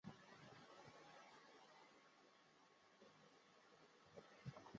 三十一年诏天下学官改授旁郡州县。